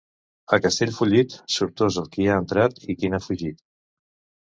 A Castellfollit, sortós el qui hi ha entrat i qui n'ha fugit.